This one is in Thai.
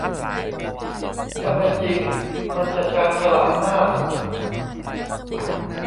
ถ้าไม่จริง มันจะชาญฉลาดมาก